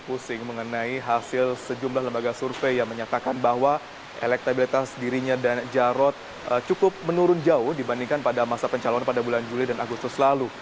pusing mengenai hasil sejumlah lembaga survei yang menyatakan bahwa elektabilitas dirinya dan jarod cukup menurun jauh dibandingkan pada masa pencalon pada bulan juli dan agustus lalu